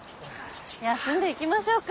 休んでいきましょうか。